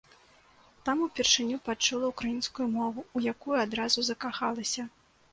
Там упершыню пачула ўкраінскую мову, у якую адразу закахалася.